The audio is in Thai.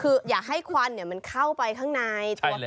คืออย่าให้ควันเนี่ยมันเข้าไปข้างในไก่เยอะ